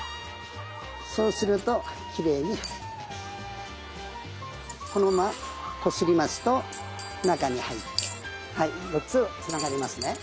そうするときれいに入ってこのままこすりますと中に入って４つつながりますね。